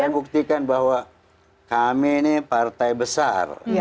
akan saya buktikan bahwa kami ini partai besar